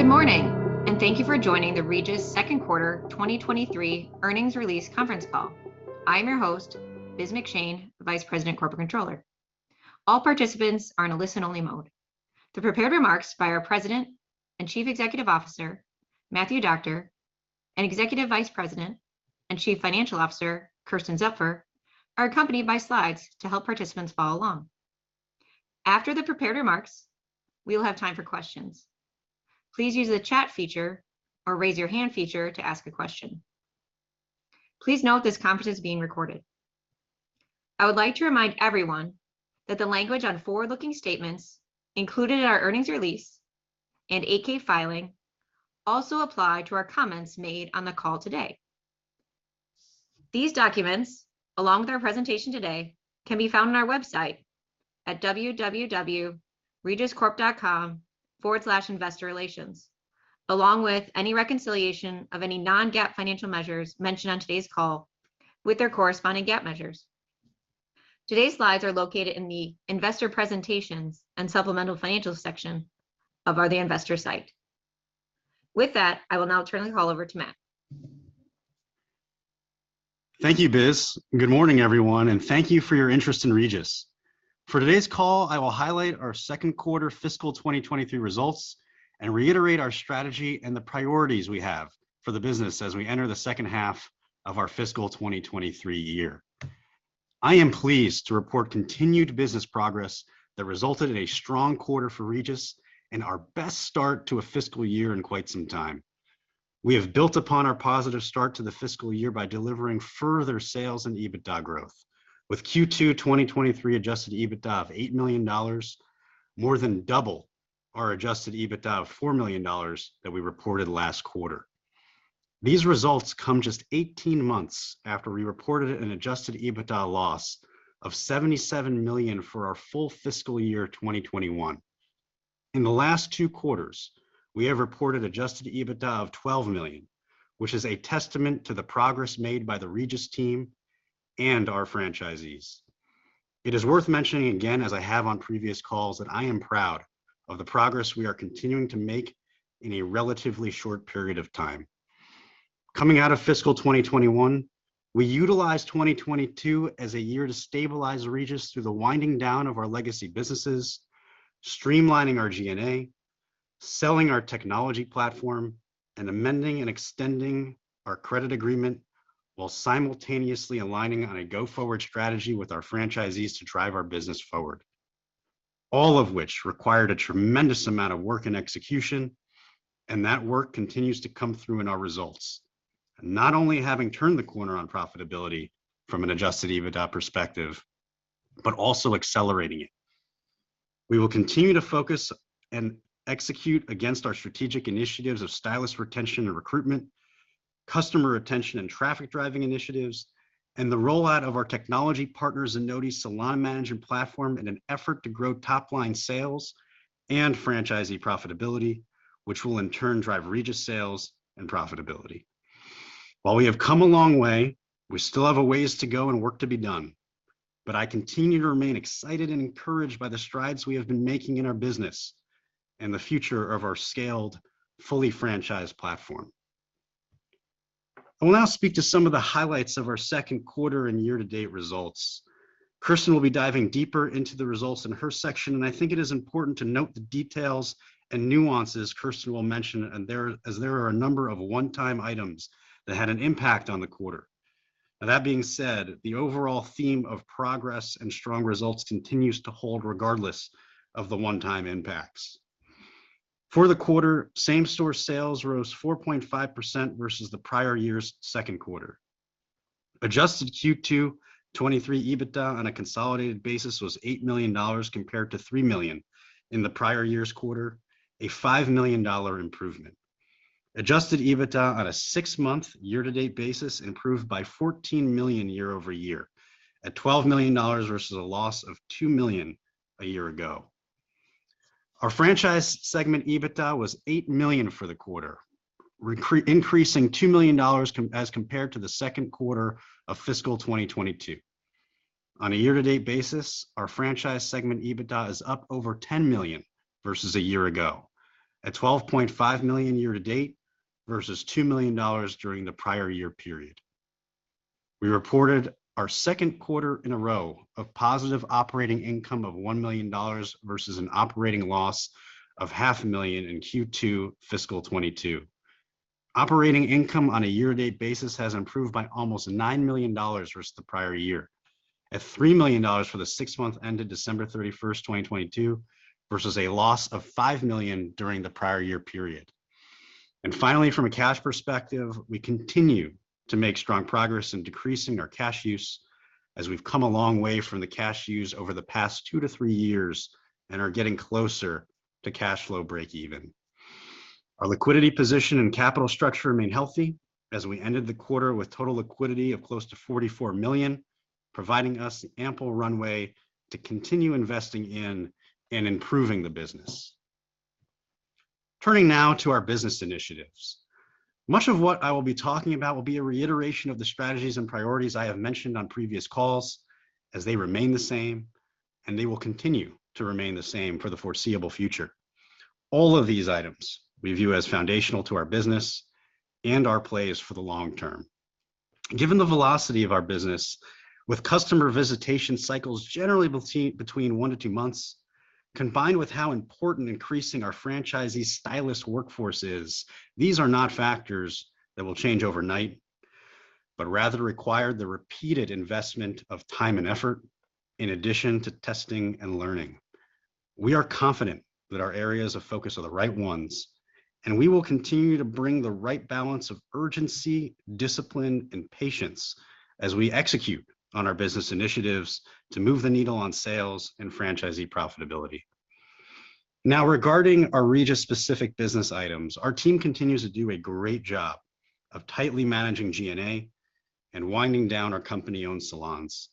Good morning. Thank you for joining the Regis Q2 2023 earnings release conference call. I am your host, Biz McShane, Vice President, Corporate Controller. All participants are in a listen only mode. The prepared remarks by our President and Chief Executive Officer, Matthew Doctor, and Executive Vice President and Chief Financial Officer, Kersten Zupfer, are accompanied by slides to help participants follow along. After the prepared remarks, we will have time for questions. Please use the chat feature or raise your hand feature to ask a question. Please note this conference is being recorded. I would like to remind everyone that the language on forward-looking statements included in our earnings release and 8-K filing also apply to our comments made on the call today. These documents, along with our presentation today, can be found on our website at wwwregiscorp.com/investorrelations, along with any reconciliation of any non-GAAP financial measures mentioned on today's call with their corresponding GAAP measures. Today's slides are located in the investor presentations and supplemental financial section of the investor site. With that, I will now turn the call over to Matt. Thank you, Biz. Good morning, everyone, thank you for your interest in Regis. For today's call, I will highlight our Q2 fiscal 2023 results and reiterate our strategy and the priorities we have for the business as we enter the H2 of our fiscal 2023 year. I am pleased to report continued business progress that resulted in a strong quarter for Regis and our best start to a fiscal year in quite some time. We have built upon our positive start to the fiscal year by delivering further sales and EBITDA growth with Q2 2023 adjusted EBITDA of $8 million, more than double our adjusted EBITDA of $4 million that we reported last quarter. These results come just 18 months after we reported an adjusted EBITDA loss of $77 million for our full fiscal year 2021. In the last two quarters, we have reported adjusted EBITDA of $12 million, which is a testament to the progress made by the Regis team and our franchisees. It is worth mentioning again, as I have on previous calls, that I am proud of the progress we are continuing to make in a relatively short period of time. Coming out of fiscal 2021, we utilized 2022 as a year to stabilize Regis through the winding down of our legacy businesses, streamlining our G&A, selling our technology platform, and amending and extending our credit agreement while simultaneously aligning on a go-forward strategy with our franchisees to drive our business forward. All of which required a tremendous amount of work and execution, and that work continues to come through in our results. Not only having turned the corner on profitability from an adjusted EBITDA perspective, but also accelerating it. We will continue to focus and execute against our strategic initiatives of stylist retention and recruitment, customer retention and traffic driving initiatives, and the rollout of our technology partners and node salon management platform in an effort to grow top-line sales and franchisee profitability, which will in turn drive Regis sales and profitability. While we have come a long way, we still have a ways to go and work to be done. I continue to remain excited and encouraged by the strides we have been making in our business and the future of our scaled, fully franchised platform. I will now speak to some of the highlights of our Q2 and year-to-date results. Kersten will be diving deeper into the results in her section, and I think it is important to note the details and nuances Kersten will mention, and there, as there are a number of one-time items that had an impact on the quarter. That being said, the overall theme of progress and strong results continues to hold regardless of the one-time impacts. For the quarter, same-store sales rose 4.5% versus the prior year's Q2. Adjusted Q2 2023 EBITDA on a consolidated basis was $8 million compared to $3 million in the prior year's quarter, a $5 million improvement. Adjusted EBITDA on a six-month year-to-date basis improved by $14 million year-over-year at $12 million versus a loss of $2 million a year ago. Our franchise segment EBITDA was $8 million for the quarter, increasing $2 million as compared to the Q2 of fiscal 2022. On a year-to-date basis, our franchise segment EBITDA is up over $10 million versus a year ago, at $12.5 million year to date versus $2 million during the prior year period. We reported our Q2 in a row of positive operating income of $1 million versus an operating loss of half a million in Q2 fiscal 2022. Operating income on a year-to-date basis has improved by almost $9 million versus the prior year at $3 million for the six- months ended December 31, 2022, versus a loss of $5 million during the prior year period. Finally, from a cash perspective, we continue to make strong progress in decreasing our cash use as we've come a long way from the cash use over the past two to three years and are getting closer to cash flow breakeven. Our liquidity position and capital structure remain healthy as we ended the quarter with total liquidity of close to $44 million, providing us ample runway to continue investing in and improving the business. Turning now to our business initiatives. Much of what I will be talking about will be a reiteration of the strategies and priorities I have mentioned on previous calls as they remain the same, and they will continue to remain the same for the foreseeable future. All of these items we view as foundational to our business and our plays for the long term. Given the velocity of our business with customer visitation cycles generally between one-two months, combined with how important increasing our franchisee stylist workforce is, these are not factors that will change overnight, but rather require the repeated investment of time and effort in addition to testing and learning. We are confident that our areas of focus are the right ones, and we will continue to bring the right balance of urgency, discipline, and patience as we execute on our business initiatives to move the needle on sales and franchisee profitability. Now, regarding our Regis specific business items, our team continues to do a great job of tightly managing G&A and winding down our company-owned salons.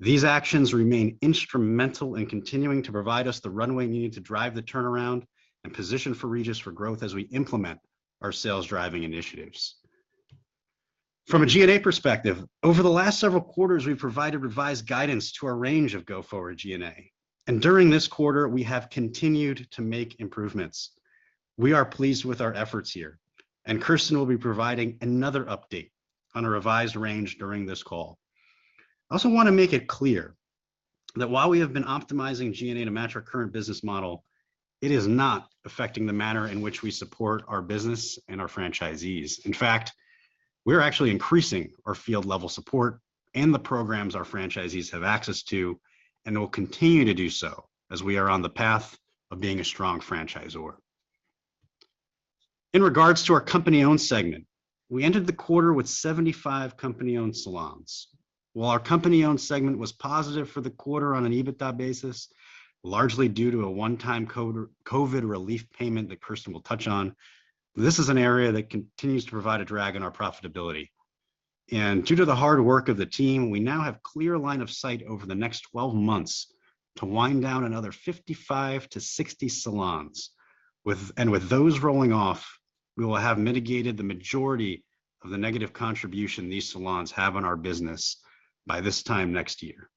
These actions remain instrumental in continuing to provide us the runway needed to drive the turnaround and position for Regis growth as we implement our sales driving initiatives. From a G&A perspective, over the last several quarters, we've provided revised guidance to our range of go forward G&A. During this quarter, we have continued to make improvements. We are pleased with our efforts here. Kersten will be providing another update on a revised range during this call. I also want to make it clear that while we have been optimizing G&A to match our current business model, it is not affecting the manner in which we support our business and our franchisees. In fact, we're actually increasing our field level support and the programs our franchisees have access to, and will continue to do so as we are on the path of being a strong franchisor. In regards to our company-owned segment, we ended the quarter with 75 company-owned salons. While our company-owned segment was positive for the quarter on an EBITDA basis, largely due to a one-time COVID relief payment that Kersten will touch on, this is an area that continues to provide a drag on our profitability. Due to the hard work of the team, we now have clear line of sight over the next 12 months to wind down another 55-60 salons. With those rolling off, we will have mitigated the majority of the negative contribution these salons have on our business by this time next year.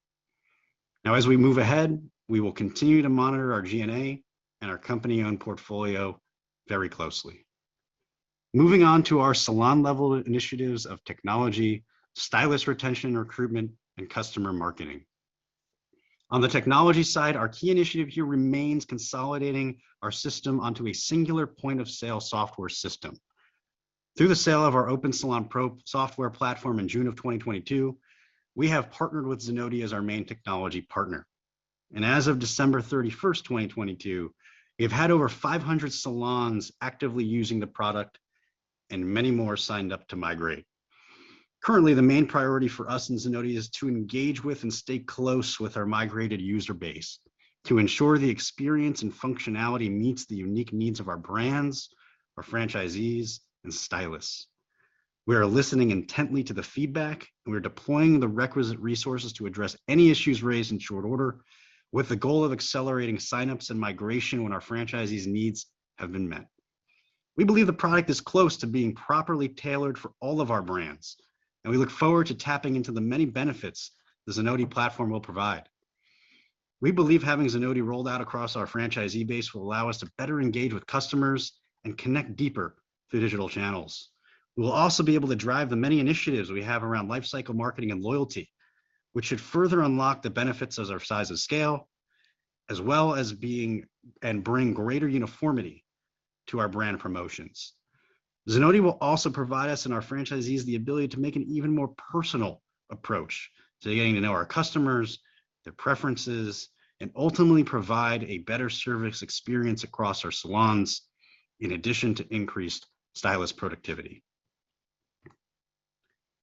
Now, as we move ahead, we will continue to monitor our G&A and our company-owned portfolio very closely. Moving on to our salon level initiatives of technology, stylist retention, recruitment, and customer marketing. On the technology side, our key initiative here remains consolidating our system onto a singular point of sale software system. Through the sale of our Open Salon Pro software platform in June of 2022, we have partnered with Zenoti as our main technology partner. As of December 31st, 2022, we've had over 500 salons actively using the product and many more signed up to migrate. Currently, the main priority for us and Zenoti is to engage with and stay close with our migrated user base to ensure the experience and functionality meets the unique needs of our brands, our franchisees, and stylists. We are listening intently to the feedback, and we're deploying the requisite resources to address any issues raised in short order with the goal of accelerating sign-ups and migration when our franchisees needs have been met. We believe the product is close to being properly tailored for all of our brands, and we look forward to tapping into the many benefits the Zenoti platform will provide. We believe having Zenoti rolled out across our franchisee base will allow us to better engage with customers and connect deeper through digital channels. We will also be able to drive the many initiatives we have around life cycle marketing and loyalty, which should further unlock the benefits of our size of scale, as well as bring greater uniformity to our brand promotions. Zenoti will also provide us and our franchisees the ability to make an even more personal approach to getting to know our customers, their preferences, and ultimately provide a better service experience across our salons in addition to increased stylist productivity.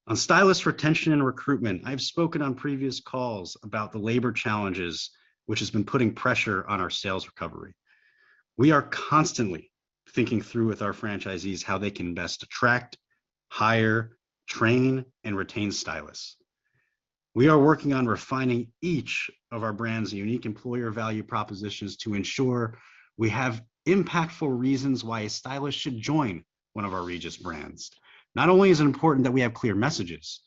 On stylist retention and recruitment, I've spoken on previous calls about the labor challenges which has been putting pressure on our sales recovery. We are constantly thinking through with our franchisees how they can best attract, hire, train, and retain stylists. We are working on refining each of our brand's unique employer value propositions to ensure we have impactful reasons why a stylist should join one of our Regis brands. Not only is it important that we have clear messages,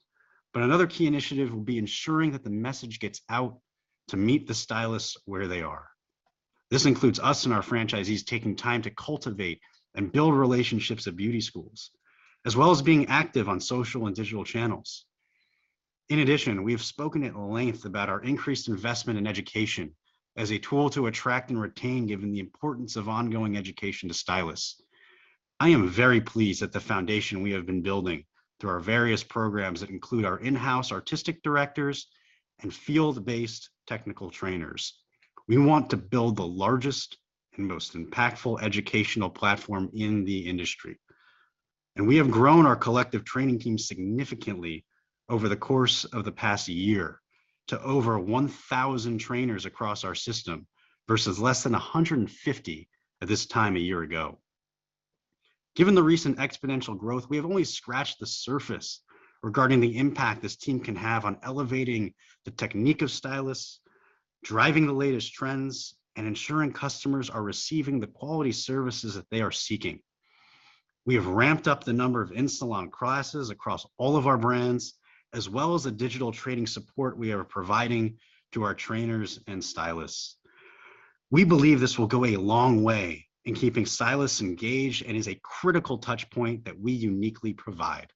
but another key initiative will be ensuring that the message gets out to meet the stylists where they are. This includes us and our franchisees taking time to cultivate and build relationships at beauty schools, as well as being active on social and digital channels. In addition, we have spoken at length about our increased investment in education as a tool to attract and retain, given the importance of ongoing education to stylists. I am very pleased at the foundation we have been building through our various programs that include our in-house artistic directors and field-based technical trainers. We want to build the largest and most impactful educational platform in the industry. We have grown our collective training team significantly over the course of the past year to over 1,000 trainers across our system versus less than 150 at this time a year ago. Given the recent exponential growth, we have only scratched the surface regarding the impact this team can have on elevating the technique of stylists. Driving the latest trends and ensuring customers are receiving the quality services that they are seeking. We have ramped up the number of in-salon classes across all of our brands as well as the digital training support we are providing to our trainers and stylists. We believe this will go a long way in keeping stylists engaged, and is a critical touch point that we uniquely provide.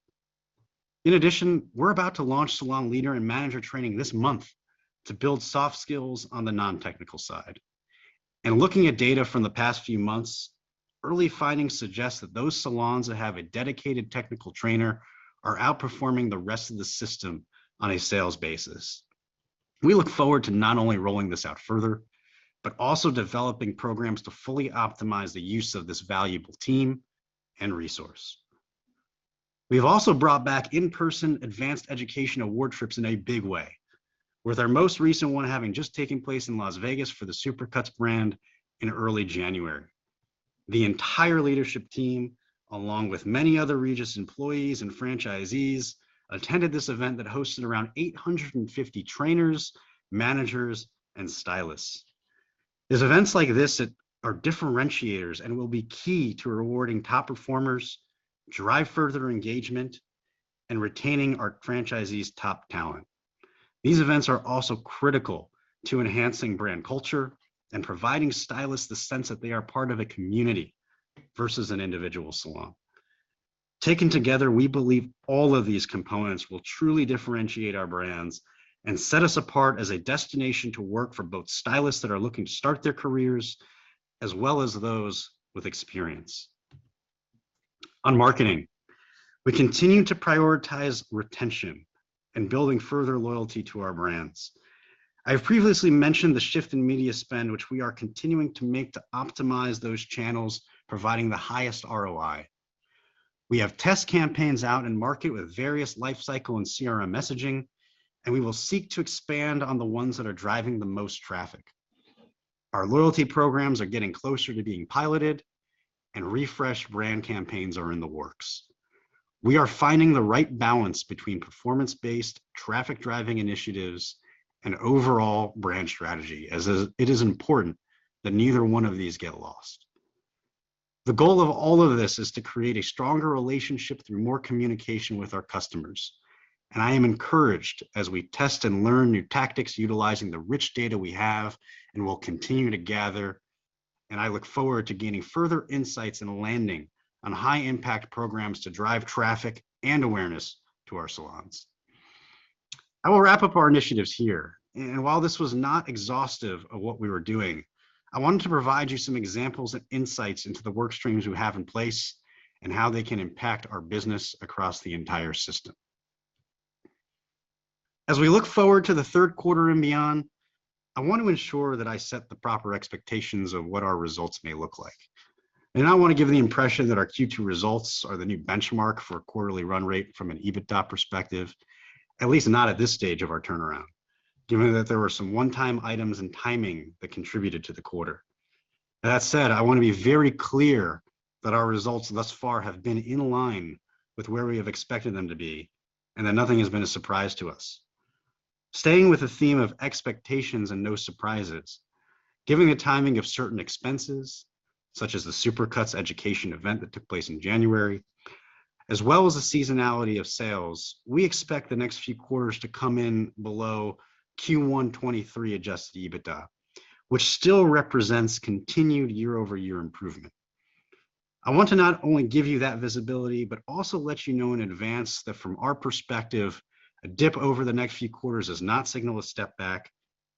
In addition, we're about to launch salon leader and manager training this month to build soft skills on the non-technical side. Looking at data from the past few months, early findings suggest that those salons that have a dedicated technical trainer are outperforming the rest of the system on a sales basis. We look forward to not only rolling this out further, but also developing programs to fully optimize the use of this valuable team and resource. We have also brought back in-person advanced education award trips in a big way, with our most recent one having just taken place in Las Vegas for the Supercuts brand in early January. The entire leadership team, along with many other Regis employees and franchisees, attended this event that hosted around 850 trainers, managers, and stylists. It's events like this that are differentiators and will be key to rewarding top performers, drive further engagement, and retaining our franchisees' top talent. These events are also critical to enhancing brand culture and providing stylists the sense that they are part of a community versus an individual salon. Taken together, we believe all of these components will truly differentiate our brands and set us apart as a destination to work for both stylists that are looking to start their careers, as well as those with experience. On marketing, we continue to prioritize retention and building further loyalty to our brands. I have previously mentioned the shift in media spend, which we are continuing to make to optimize those channels providing the highest ROI. We have test campaigns out in market with various life cycle and CRM messaging, and we will seek to expand on the ones that are driving the most traffic. Our loyalty programs are getting closer to being piloted, and refresh brand campaigns are in the works. We are finding the right balance between performance-based traffic driving initiatives and overall brand strategy, as it is important that neither one of these get lost. The goal of all of this is to create a stronger relationship through more communication with our customers, and I am encouraged as we test and learn new tactics utilizing the rich data we have and will continue to gather, and I look forward to gaining further insights and landing on high impact programs to drive traffic and awareness to our salons. I will wrap up our initiatives here, and while this was not exhaustive of what we were doing, I wanted to provide you some examples and insights into the work streams we have in place and how they can impact our business across the entire system. As we look forward to the Q3 and beyond, I want to ensure that I set the proper expectations of what our results may look like. I do not want to give the impression that our Q2 results are the new benchmark for quarterly run rate from an EBITDA perspective, at least not at this stage of our turnaround, given that there were some one-time items and timing that contributed to the quarter. That said, I want to be very clear that our results thus far have been in line with where we have expected them to be and that nothing has been a surprise to us. Staying with the theme of expectations and no surprises, given the timing of certain expenses, such as the Supercuts education event that took place in January, as well as the seasonality of sales, we expect the next few quarters to come in below Q1 2023 adjusted EBITDA, which still represents continued year-over-year improvement. I want to not only give you that visibility, but also let you know in advance that from our perspective, a dip over the next few quarters does not signal a step back,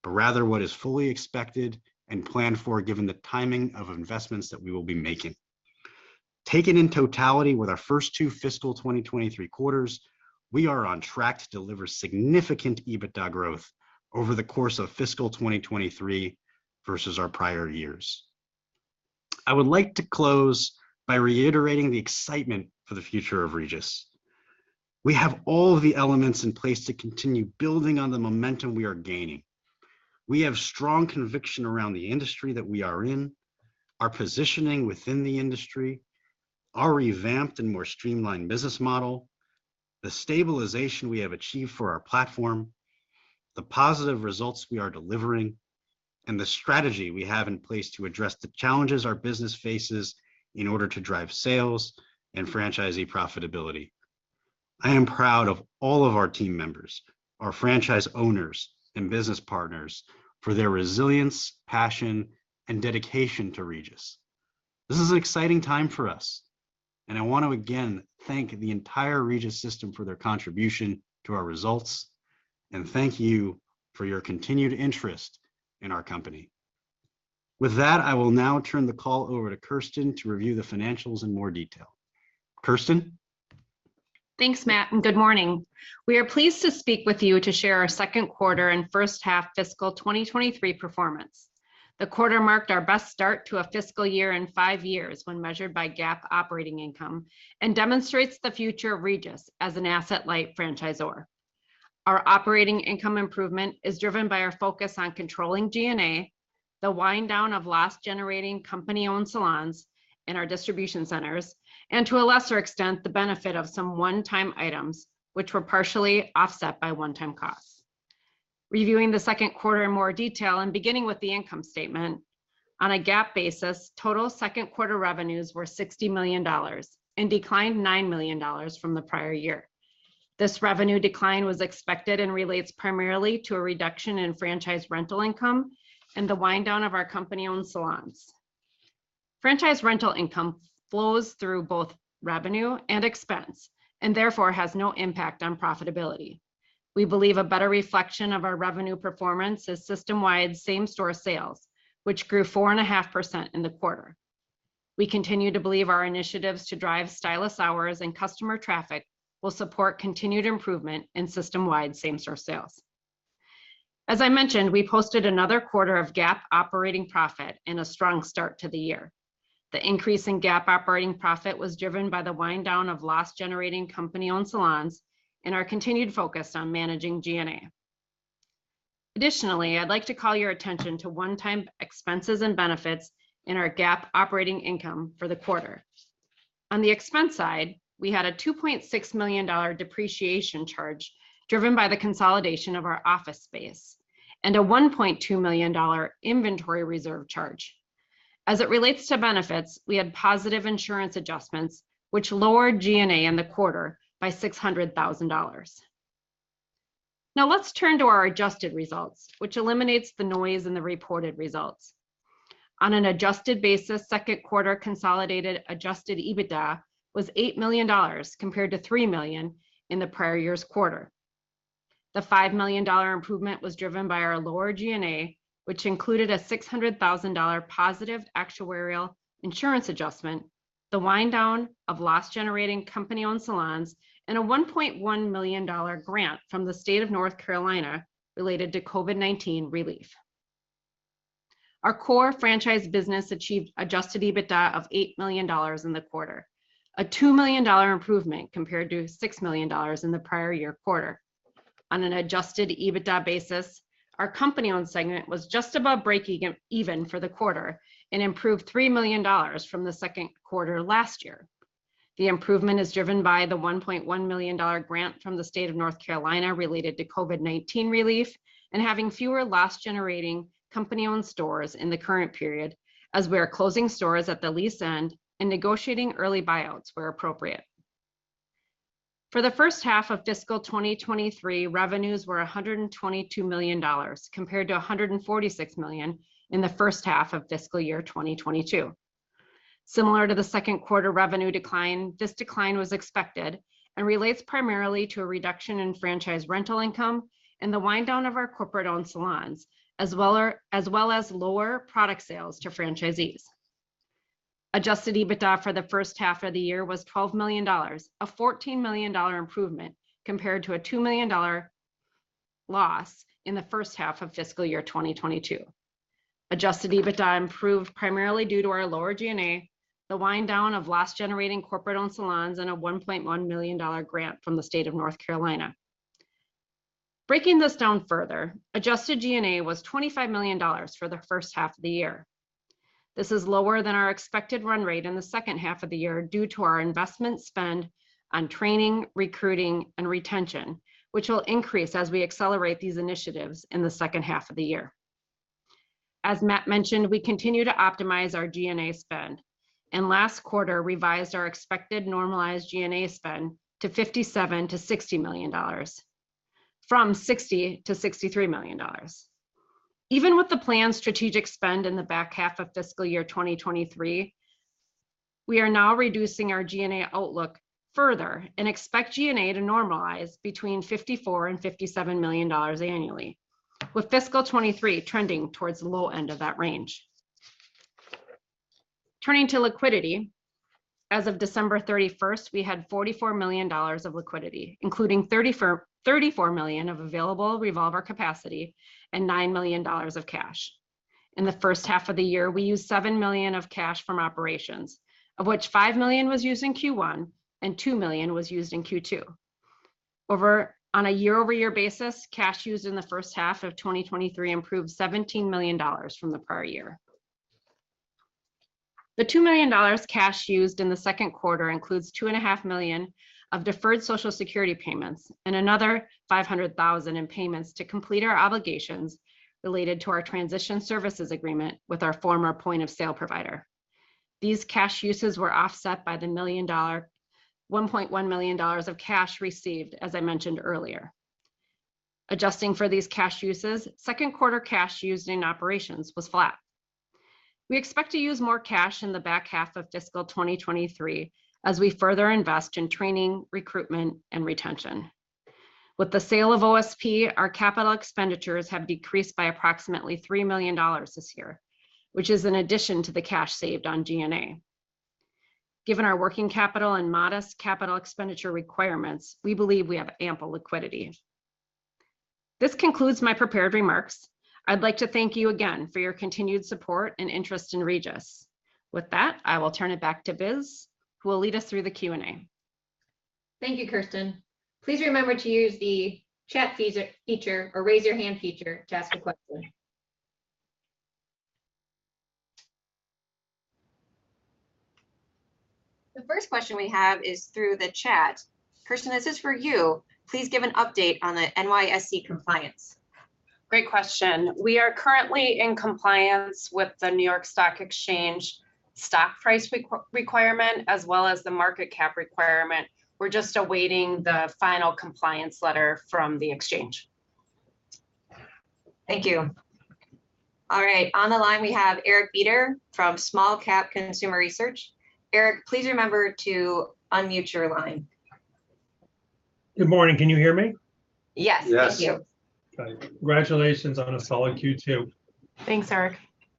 but rather what is fully expected and planned for given the timing of investments that we will be making. Taken in totality with our first two fiscal 2023 quarters, we are on track to deliver significant EBITDA growth over the course of fiscal 2023 versus our prior years. I would like to close by reiterating the excitement for the future of Regis. We have all the elements in place to continue building on the momentum we are gaining. We have strong conviction around the industry that we are in, our positioning within the industry, our revamped and more streamlined business model, the stabilization we have achieved for our platform, the positive results we are delivering, and the strategy we have in place to address the challenges our business faces in order to drive sales and franchisee profitability. I am proud of all of our team members, our franchise owners and business partners for their resilience, passion, and dedication to Regis. This is an exciting time for us, and I want to again thank the entire Regis system for their contribution to our results, and thank you for your continued interest in our company. With that, I will now turn the call over to Kersten to review the financials in more detail. Kersten? Thanks, Matt. Good morning. We are pleased to speak with you to share our Q2 and H1 fiscal 2023 performance. The quarter marked our best start to a fiscal year in five years when measured by GAAP operating income, and demonstrates the future of Regis as an asset-light franchisor. Our operating income improvement is driven by our focus on controlling G&A. The wind down of loss generating company owned salons and our distribution centers and to a lesser extent, the benefit of some one-time items which were partially offset by one-time costs. Reviewing the Q2 in more detail and beginning with the income statement on a GAAP basis, total Q2 revenues were $60 million and declined $9 million from the prior year. This revenue decline was expected and relates primarily to a reduction in franchise rental income and the wind down of our company owned salons. Therefore, has no impact on profitability. We believe a better reflection of our revenue performance is system-wide same-store sales, which grew 4.5% in the quarter. We continue to believe our initiatives to drive stylist hours and customer traffic will support continued improvement in system-wide same-store sales. As I mentioned, we posted another quarter of GAAP operating profit and a strong start to the year. The increase in GAAP operating profit was driven by the wind down of loss generating company owned salons and our continued focus on managing G&A. I'd like to call your attention to one-time expenses and benefits in our GAAP operating income for the quarter. On the expense side, we had a $2.6 million depreciation charge driven by the consolidation of our office space and a $1.2 million inventory reserve charge. As it relates to benefits, we had positive insurance adjustments which lowered G&A in the quarter by $600,000. Let's turn to our adjusted results, which eliminates the noise in the reported results. On an adjusted basis, Q2 consolidated adjusted EBITDA was $8 million compared to $3 million in the prior year's quarter. The $5 million improvement was driven by our lower G&A, which included a $600,000 positive actuarial insurance adjustment, the wind down of loss generating company owned salons, and a $1.1 million grant from the state of North Carolina related to COVID-19 relief. Our core franchise business achieved adjusted EBITDA of $8 million in the quarter, a $2 million improvement compared to $6 million in the prior year quarter. On an adjusted EBITDA basis, our company owned segment was just about breaking even for the quarter and improved $3 million from the Q2 last year. The improvement is driven by the $1.1 million grant from the state of North Carolina related to COVID-19 relief and having fewer loss generating company owned stores in the current period, as we are closing stores at the lease end and negotiating early buyouts where appropriate. For the H1 of fiscal 2023, revenues were $122 million, compared to $146 million in the H1 of fiscal year 2022. Similar to the Q2 revenue decline, this decline was expected and relates primarily to a reduction in franchise rental income and the wind down of our corporate owned salons, as well as lower product sales to franchisees. Adjusted EBITDA for the H1 of the year was $12 million, a $14 million improvement compared to a $2 million loss in the H1 of fiscal year 2022. Adjusted EBITDA improved primarily due to our lower G&A, the wind down of loss generating corporate owned salons, and a $1.1 million grant from the state of North Carolina. Breaking this down further, adjusted G&A was $25 million for the H1 of the year. This is lower than our expected run rate in the H2 of the year due to our investment spend on training, recruiting and retention, which will increase as we accelerate these initiatives in the H2 of the year. As Matt mentioned, we continue to optimize our G&A spend and last quarter revised our expected normalized G&A spend to $57 million-$60 million from $60 million-$63 million. Even with the planned strategic spend in the back half of fiscal year 2023, we are now reducing our G&A outlook further and expect G&A to normalize between $54 million and $57 million annually, with fiscal 2023 trending towards the low end of that range. Turning to liquidity, as of December 31st, we had $44 million of liquidity, including $34 million of available revolver capacity and $9 million of cash. In the H1 of the year, we used $7 million of cash from operations, of which $5 million was used in Q1 and $2 million was used in Q2. on a year-over-year basis, cash used in the H1 of 2023 improved $17 million from the prior year. The $2 million cash used in the Q2 includes two and a half million of deferred Social Security payments and another $500,000 in payments to complete our obligations related to our transition services agreement with our former point of sale provider. These cash uses were offset by the $1.1 million of cash received, as I mentioned earlier. Adjusting for these cash uses, Q2 cash used in operations was flat. We expect to use more cash in the back half of fiscal 2023 as we further invest in training, recruitment and retention. With the sale of OSP, our capital expenditures have decreased by approximately $3 million this year, which is in addition to the cash saved on G&A. Given our working capital and modest capital expenditure requirements, we believe we have ample liquidity. This concludes my prepared remarks. I'd like to thank you again for your continued support and interest in Regis. With that, I will turn it back to Biz, who will lead us through the Q&A. Thank you, Kersten. Please remember to use the chat feature or raise your hand feature to ask a question. The first question we have is through the chat. Kersten, this is for you. Please give an update on the NYSE compliance. Great question. We are currently in compliance with the New York Stock Exchange stock price requirement as well as the market cap requirement. We're just awaiting the final compliance letter from the exchange. Thank you. All right, on the line we have Eric Beder from Small Cap Consumer Research. Eric, please remember to unmute your line. Good morning. Can you hear me? Yes. Yes. Thank you. Okay. Congratulations on a solid Q2. Thanks, Eric.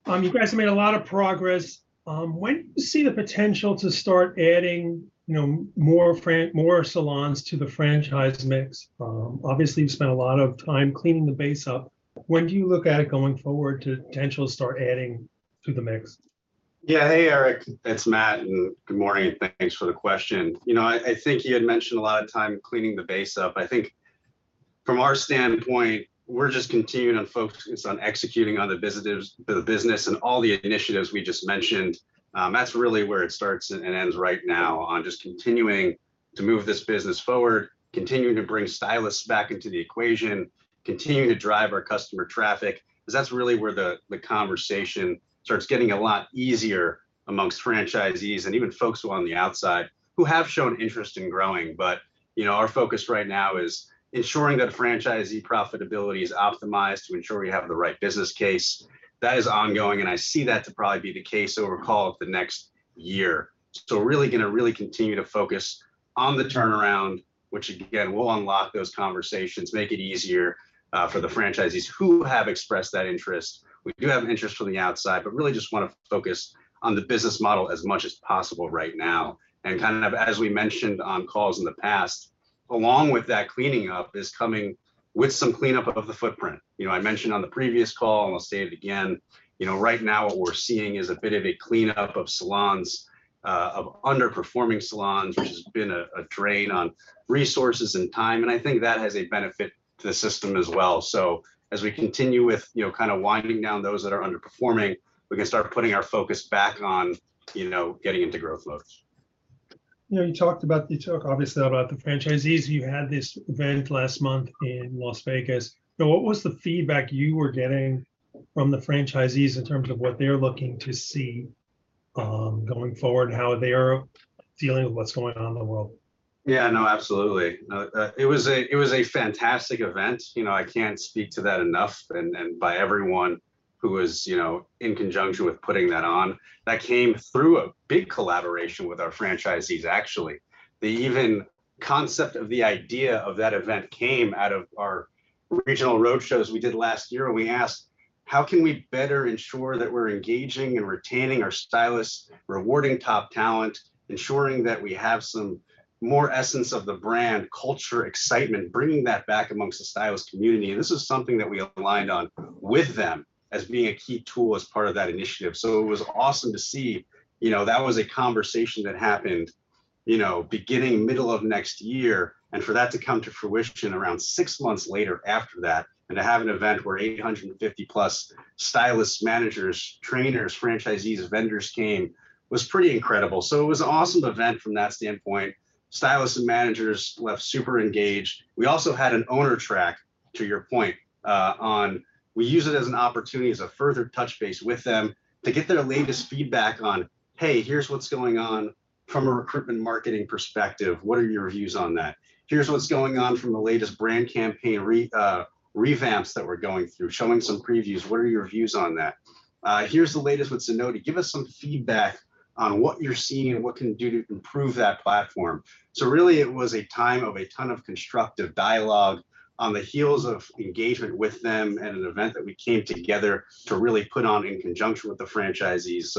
You guys have made a lot of progress. When do you see the potential to start adding, you know, more salons to the franchise mix? Obviously you've spent a lot of time cleaning the base up. When do you look at it going forward to potentially start adding to the mix? Yeah. Hey, Eric, it's Matt. Good morning, and thanks for the question. You know, I think you had mentioned a lot of time cleaning the base up. I think from our standpoint, we're just continuing to focus on executing on the visitors, the business, and all the initiatives we just mentioned. That's really where it starts and ends right now on just continuing to move this business forward, continuing to bring stylists back into the equation, continuing to drive our customer traffic, because that's really where the conversation starts getting a lot easier amongst franchisees and even folks who are on the outside who have shown interest in growing. You know, our focus right now is ensuring that franchisee profitability is optimized to ensure we have the right business case. That is ongoing, I see that to probably be the case over the call of the next year. Really gonna continue to focus on the turnaround, which again, will unlock those conversations, make it easier for the franchisees who have expressed that interest. We do have interest from the outside, really just wanna focus on the business model as much as possible right now. Kind of as we mentioned on calls in the past, along with that cleaning up is coming with some cleanup of the footprint. You know, I mentioned on the previous call, I'll say it again, you know, right now what we're seeing is a bit of a cleanup of salons, of underperforming salons, which has been a drain on resources and time, I think that has a benefit to the system as well. As we continue with, you know, kind of winding down those that are underperforming, we can start putting our focus back on, you know, getting into growth modes. You know, you talked about, you talk obviously about the franchisees. You had this event last month in Las Vegas. What was the feedback you were getting from the franchisees in terms of what they're looking to see, going forward, how they are feeling with what's going on in the world? Yeah, no, absolutely. No, it was a fantastic event. You know, I can't speak to that enough and by everyone who was, you know, in conjunction with putting that on, that came through a big collaboration with our franchisees actually. The even concept of the idea of that event came out of our regional roadshows we did last year, and we asked, "How can we better ensure that we're engaging and retaining our stylists, rewarding top talent, ensuring that we have some more essence of the brand, culture, excitement, bringing that back amongst the stylist community?" This is something that we aligned on with them as being a key tool as part of that initiative. It was awesome to see, you know, that was a conversation that happened, you know, beginning middle of next year, and for that to come to fruition around six months later after that, and to have an event where 850+ stylists, managers, trainers, franchisees, vendors came, was pretty incredible. It was an awesome event from that standpoint. Stylists and managers left super engaged. We also had an owner track, to your point, on, we use it as an opportunity as a further touch base with them to get their latest feedback on, "Hey, here's what's going on from a recruitment marketing perspective. What are your views on that? Here's what's going on from the latest brand campaign revamps that we're going through, showing some previews. What are your views on that? Here's the latest with Zenoti. Give us some feedback on what you're seeing and what can we do to improve that platform. Really it was a time of a ton of constructive dialogue on the heels of engagement with them and an event that we came together to really put on in conjunction with the franchisees.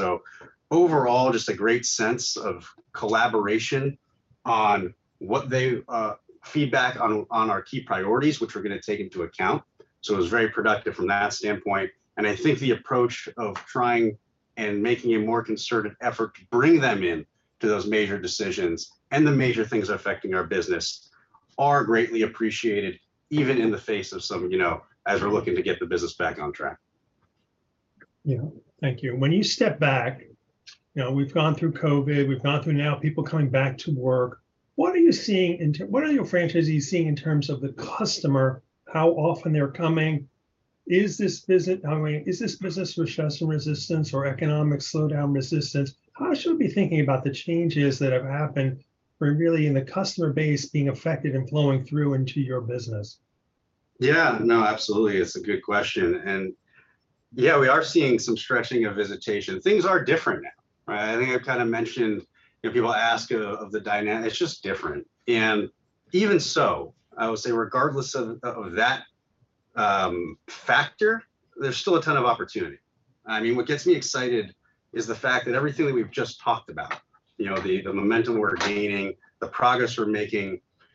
Overall, just a great sense of collaboration on what they feedback on our key priorities, which we're gonna take into account, so it was very productive from that standpoint. I think the approach of trying and making a more concerted effort to bring them in to those major decisions and the major things affecting our business are greatly appreciated, even in the face of some, you know, as we're looking to get the business back on track. Yeah. Thank you. When you step back, you know, we've gone through COVID, we've gone through now people coming back to work, what are you seeing in what are your franchisees seeing in terms of the customer, how often they're coming? Is this visit, I mean, is this business recession resistance or economic slowdown resistance? How should we be thinking about the changes that have happened or really in the customer base being affected and flowing through into your business? Yeah. No, absolutely. It's a good question. Yeah, we are seeing some stretching of visitation. Things are different now, right? I think I've kind of mentioned if people ask of the dynamic, it's just different. Even so, I would say regardless of that factor, there's still a ton of opportunity. I mean, what gets me excited is the fact that everything that we've just talked about, you know, the momentum we're gaining, the progress we're making.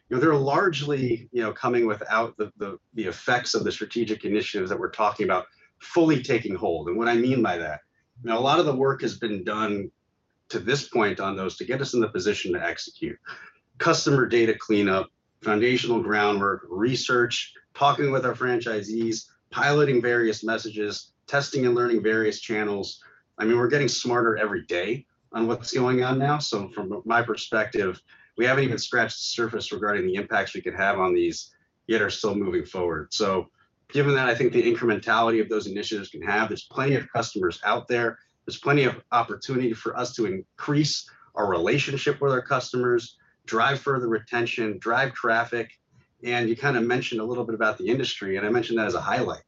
You know, they're largely, you know, coming without the effects of the strategic initiatives that we're talking about fully taking hold. What I mean by that, you know, a lot of the work has been done to this point on those to get us in the position to execute. Customer data cleanup, foundational groundwork, research, talking with our franchisees, piloting various messages, testing and learning various channels. I mean, we're getting smarter every day on what's going on now. From my perspective, we haven't even scratched the surface regarding the impacts we could have on these, yet are still moving forward. Given that, I think the incrementality of those initiatives can have, there's plenty of customers out there's plenty of opportunity for us to increase our relationship with our customers, drive further retention, drive traffic, and you kind of mentioned a little bit about the industry, and I mentioned that as a highlight.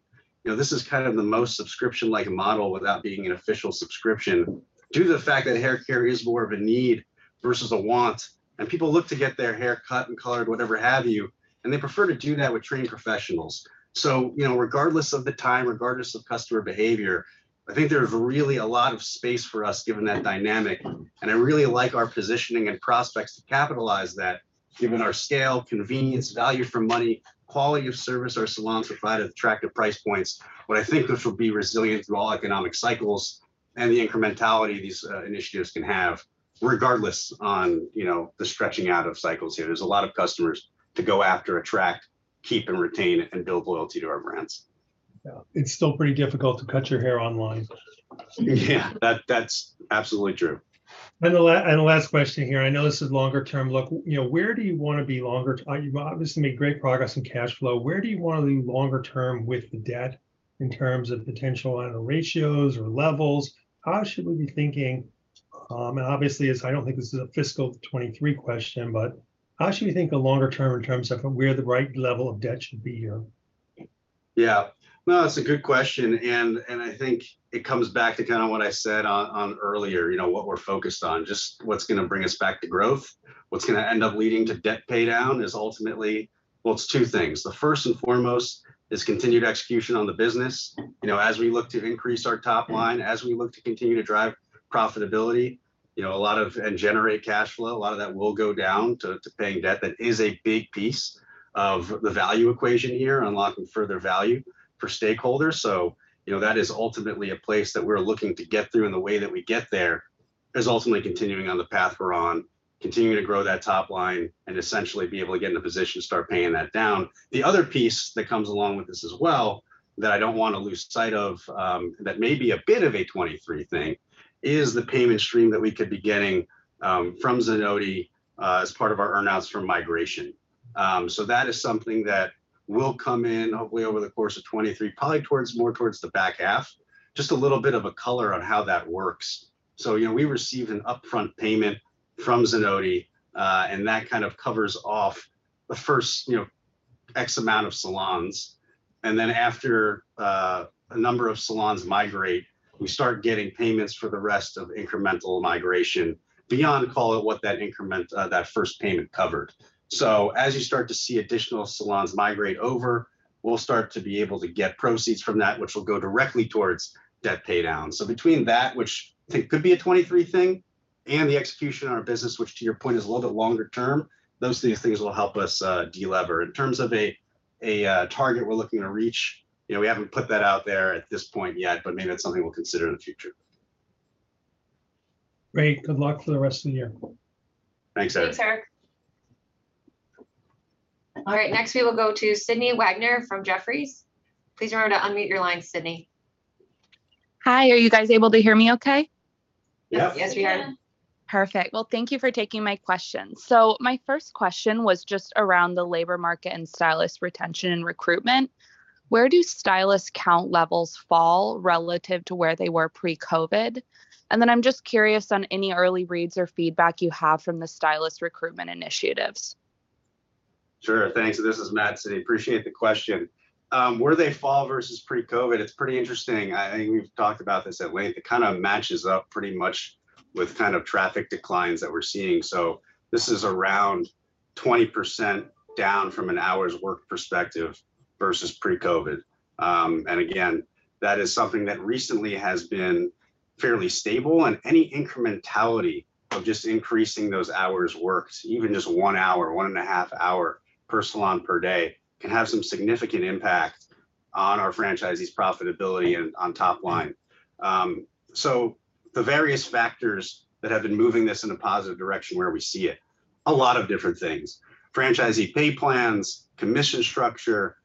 You know, this is kind of the most subscription-like model without being an official subscription due to the fact that haircare is more of a need versus a want, and people look to get their hair cut and colored, whatever have you, and they prefer to do that with trained professionals. You know, regardless of the time, regardless of customer behavior, I think there's really a lot of space for us given that dynamic. I really like our positioning and prospects to capitalize that given our scale, convenience, value for money, quality of service our salons provide at attractive price points, what I think this will be resilient through all economic cycles and the incrementality these initiatives can have regardless on, you know, the stretching out of cycles here. There's a lot of customers to go after, attract, keep, and retain and build loyalty to our brands. Yeah. It's still pretty difficult to cut your hair online. Yeah. That, that's absolutely true. The last question here, I know this is longer term look. You know, where do you wanna be longer t- you've obviously made great progress in cash flow. Where do you wanna be longer term with the debt in terms of potential on the ratios or levels? How should we be thinking, and obviously, it's, I don't think this is a fiscal 2023 question, but how should we think of longer term in terms of where the right level of debt should be here? Yeah. No, that's a good question, and I think it comes back to kinda what I said on earlier, you know, what we're focused on, just what's gonna bring us back to growth, what's gonna end up leading to debt pay down is ultimately, well, it's two things. The first and foremost is continued execution on the business. You know, as we look to increase our top line, as we look to continue to drive profitability, you know, and generate cash flow, a lot of that will go down to paying debt. That is a big piece of the value equation here, unlocking further value for stakeholders. You know, that is ultimately a place that we're looking to get through, and the way that we get there is ultimately continuing on the path we're on, continuing to grow that top line, and essentially be able to get in a position to start paying that down. The other piece that comes along with this as well, that I don't wanna lose sight of, that may be a bit of a 2023 thing, is the payment stream that we could be getting, from Zenoti, as part of our earnouts from migration. That is something that will come in hopefully over the course of 2023, probably towards, more towards the back half. Just a little bit of a color on how that works. you know, we receive an upfront payment from Zenoti, and that kind of covers off the first, you know, X amount of salons. after a number of salons migrate, we start getting payments for the rest of incremental migration beyond call it what that increment that first payment covered. as you start to see additional salons migrate over, we'll start to be able to get proceeds from that, which will go directly towards debt pay down. between that, which I think could be a 2023 thing, and the execution on our business, which to your point is a little bit longer term, those things will help us de-lever. In terms of a target we're looking to reach, you know, we haven't put that out there at this point yet, but maybe that's something we'll consider in the future. Great. Good luck for the rest of the year. Thanks, Eric. Thanks, Eric. Next we will go to Sydney Wagner from Jefferies. Please remember to unmute your line, Sydney. Hi. Are you guys able to hear me okay? Yep. Yes, we can. Perfect. Well, thank you for taking my questions. My first question was just around the labor market and stylist retention and recruitment. Where do stylist count levels fall relative to where they were pre-COVID? I'm just curious on any early reads or feedback you have from the stylist recruitment initiatives. Sure. Thanks. This is Matt, Sydney. Appreciate the question. Where they fall versus pre-COVID, it's pretty interesting. I think we've talked about this at length. It kind of matches up pretty much with kind of traffic declines that we're seeing. This is around 20% down from an hours worked perspective versus pre-COVID. Again, that is something that recently has been fairly stable, and any incrementality of just increasing those hours worked, even just one hour, one and a half hour per salon per day, can have some significant impact on our franchisees' profitability and on top line. The various factors that have been moving this in a positive direction where we see it, a lot of different things. Franchisee pay plans, commission structure,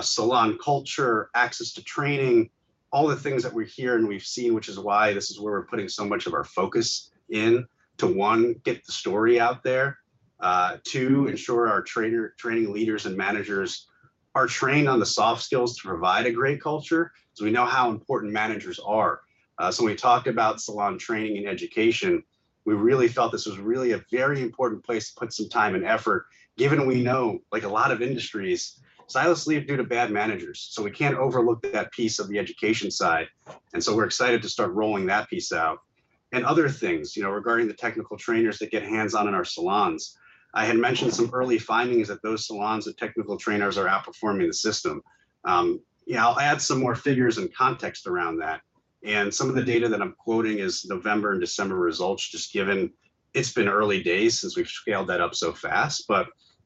salon culture, access to training, all the things that we hear and we've seen, which is why this is where we're putting so much of our focus in to, one, get the story out there, two, ensure our training leaders and managers are trained on the soft skills to provide a great culture, because we know how important managers are. When we talk about salon training and education, we really felt this was a very important place to put some time and effort, given we know, like a lot of industries, stylists leave due to bad managers, so we can't overlook that piece of the education side. We're excited to start rolling that piece out. Other things, you know, regarding the technical trainers that get hands-on in our salons. I had mentioned some early findings that those salons with technical trainers are outperforming the system. yeah, I'll add some more figures and context around that. Some of the data that I'm quoting is November and December results, just given it's been early days since we've scaled that up so fast.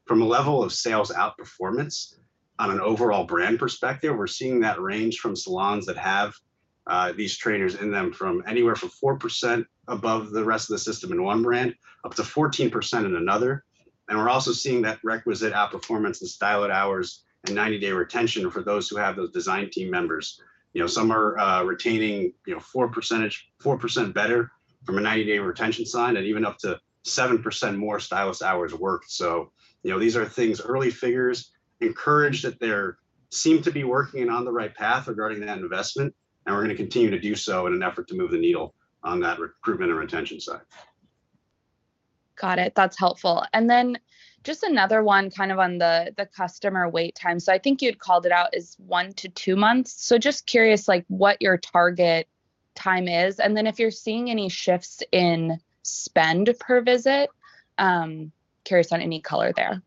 From a level of sales outperformance on an overall brand perspective, we're seeing that range from salons that have these trainers in them from anywhere from 4% above the rest of the system in one brand up to 14% in another. We're also seeing that requisite outperformance in stylist hours and 90-day retention for those who have those design team members. You know, some are retaining, you know, 4% better from a 90-day retention side and even up to 7% more stylist hours worked. You know, these are things, early figures, encouraged that they're seem to be working and on the right path regarding that investment, and we're gonna continue to do so in an effort to move the needle on that recruitment and retention side. Got it. That's helpful. Then just another one kind of on the customer wait time. I think you had called it out as one to two months. Just curious, like, what your target time is, and then if you're seeing any shifts in spend per visit, curious on any color there.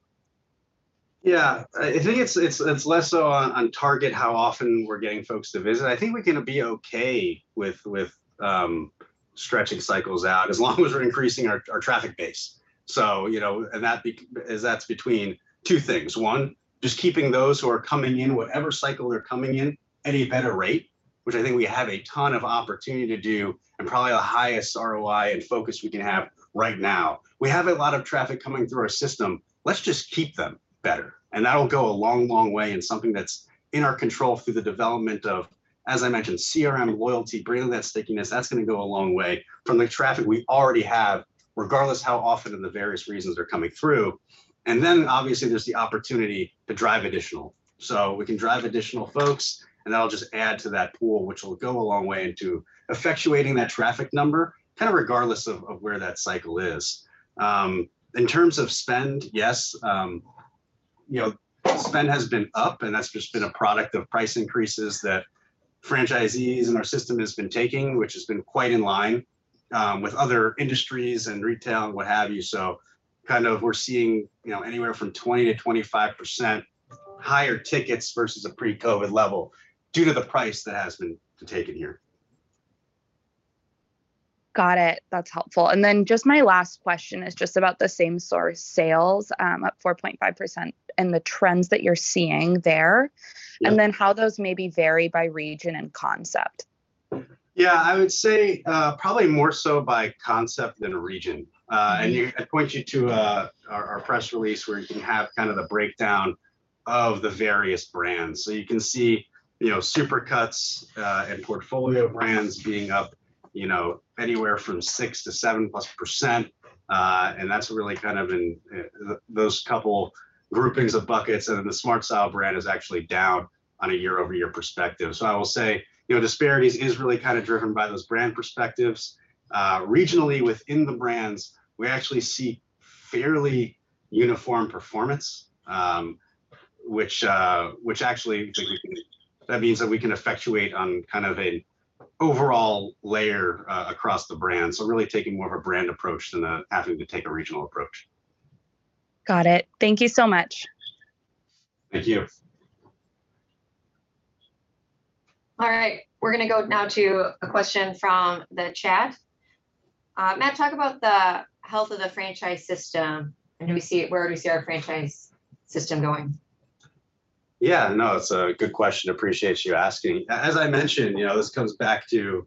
I think it's less so on target how often we're getting folks to visit. I think we're gonna be okay with stretching cycles out, as long as we're increasing our traffic base. you know, and as that's between two things. One, just keeping those who are coming in, whatever cycle they're coming in, at a better rate, which I think we have a ton of opportunity to do, and probably the highest ROI and focus we can have right now. We have a lot of traffic coming through our system. Let's just keep them better, and that'll go a long, long way, and something that's in our control through the development of, as I mentioned, CRM, loyalty, bringing that stickiness. That's gonna go a long way from the traffic we already have, regardless how often and the various reasons they're coming through. Obviously, there's the opportunity to drive additional. We can drive additional folks, and that'll just add to that pool, which will go a long way into effectuating that traffic number, kind of regardless of where that cycle is. In terms of spend, yes, you know, spend has been up, and that's just been a product of price increases that franchisees in our system has been taking, which has been quite in line with other industries and retail and what have you. We're seeing, you know, anywhere from 20%-25% higher tickets versus a pre-COVID level due to the price that has been taken here. Got it. That's helpful. Just my last question is just about the same-store sales, up 4.5%, and the trends that you're seeing there. Yeah. How those maybe vary by region and concept. Yeah. I would say, probably more so by concept than region. You. I'd point you to our press release where you can have kind of the breakdown of the various brands. You can see, you know, Supercuts and portfolio brands being up, you know, anywhere from 6% to 7%+, and that's really kind of in those couple groupings of buckets. The SmartStyle brand is actually down on a year-over-year perspective. I will say, you know, disparities is really kind of driven by those brand perspectives. Regionally within the brands, we actually see fairly uniform performance, which. I think we can, that means that we can effectuate on kind of a overall layer, across the brand. Really taking more of a brand approach than, having to take a regional approach. Got it. Thank you so much. Thank you. All right. We're gonna go now to a question from the chat. Matt, talk about the health of the franchise system. Where do we see our franchise system going? Yeah, no, it's a good question. Appreciate you asking. As I mentioned, you know, this comes back to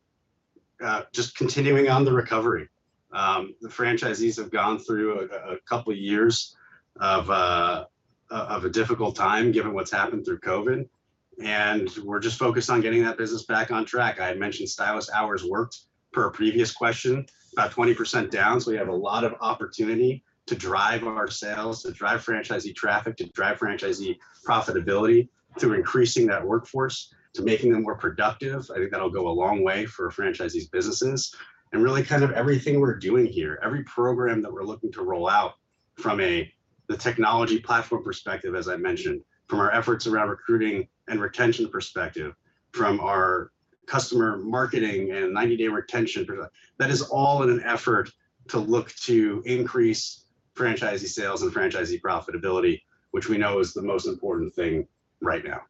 just continuing on the recovery. The franchisees have gone through a couple years of a difficult time given what's happened through COVID. We're just focused on getting that business back on track. I had mentioned stylist hours worked per a previous question, about 20% down. We have a lot of opportunity to drive our sales, to drive franchisee traffic, to drive franchisee profitability through increasing that workforce, to making them more productive. I think that'll go a long way for franchisees' businesses. Really kind of everything we're doing here, every program that we're looking to roll out from the technology platform perspective, as I mentioned, from our efforts around recruiting and retention perspective, from our customer marketing and 90-day retention that is all in an effort to look to increase franchisee sales and franchisee profitability, which we know is the most important thing right now.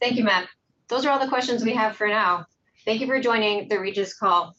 Thank you, Matt. Those are all the questions we have for now. Thank you for joining the Regis call.